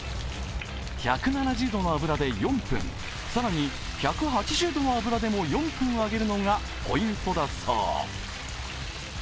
１７０度の油で４分、更に１８０度の油でも４分揚げるのがポイントだそう。